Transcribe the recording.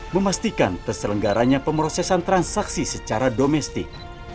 memastikan terselenggaranya pemrosesan transaksi secara domestik